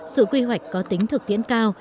sự quy hoạch có tính thực tiễn cao